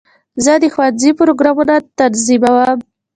زه د ښوونځي پروګرامونه تنظیموم.